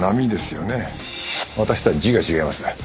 私とは字が違います。